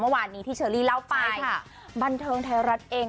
เมื่อวานนี้ที่เชอรี่เล่าไปซึ่งบันเทิงไทยรัฐเอง